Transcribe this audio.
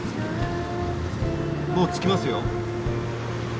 もう着きますよ。